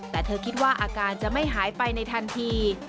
แต่เธอคิดว่าอาการจะไม่หายไปในทันที